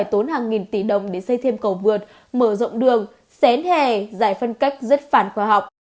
các trụ sở đều có hàng nghìn tỷ đồng để xây thêm cầu vượt mở rộng đường xén hè giải phân cách rất phản khoa học